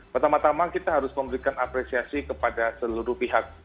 pertama tama kita harus memberikan apresiasi kepada seluruh pihak